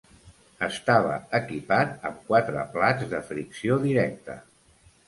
Estava equipat amb quatre plats de fricció directa.